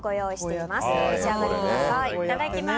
いただきます。